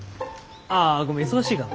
ああごめん忙しいかな。